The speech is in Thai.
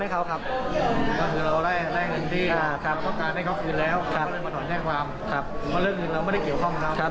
เพราะเรื่องอื่นแล้วไม่ได้เกี่ยวข้องกันแล้ว